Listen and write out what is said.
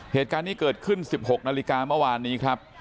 เหตุการณ์นี้เกิดขึ้น๑๖นาฬิกาเมื่อวานนี้ครับ